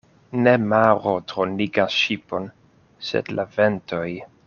Ne maro dronigas ŝipon, sed la ventoj.